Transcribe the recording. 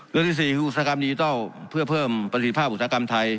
เรื่องที่สี่อุตสาหกรรมนี้ต้องเพื่อเพิ่มประสิทธิภาพอุตสาหกรรมไทย